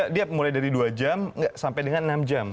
dia mulai dari dua jam sampai dengan enam jam